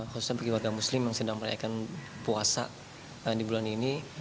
khususnya bagi warga muslim yang sedang merayakan puasa di bulan ini